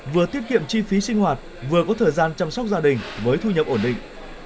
vừa tiết kiệm chi phí sinh hoạt vừa có thời gian chăm sóc gia đình với thu nhập ổn định